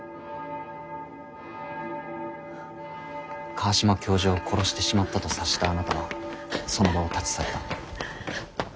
川島教授を殺してしまったと察したあなたはその場を立ち去った。